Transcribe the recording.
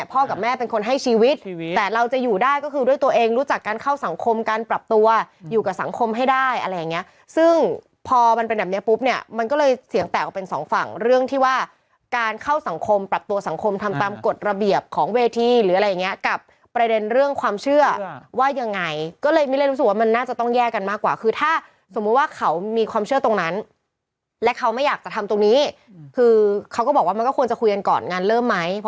เป็นคนให้ชีวิตแต่เราจะอยู่ได้ก็คือด้วยตัวเองรู้จักการเข้าสังคมการปรับตัวอยู่กับสังคมให้ได้อะไรอย่างเงี้ยซึ่งพอมันเป็นแบบนี้ปุ๊บเนี่ยมันก็เลยเสียงแตกออกเป็นสองฝั่งเรื่องที่ว่าการเข้าสังคมปรับตัวสังคมทำตามกฎระเบียบของเวทีหรืออะไรอย่างเงี้ยกับประเด็นเรื่องความเชื่อว่ายังไงก็เลยมีเรื่องรู้ส